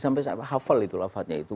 sampai saya hafal itu lah fadnya itu